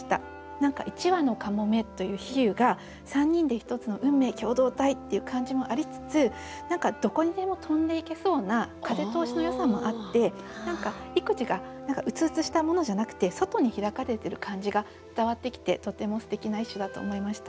何か「一羽のかもめ」という比喩が３人で１つの運命共同体っていう感じもありつつどこにでも飛んでいけそうな風通しのよさもあって育児が鬱々したものじゃなくて外に開かれてる感じが伝わってきてとてもすてきな一首だと思いました。